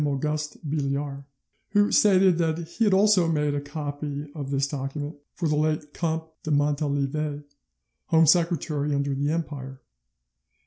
Auguste Billiard, who stated that he had also made a copy of this document for the late Comte de Montalivet, Home Secretary under the Empire.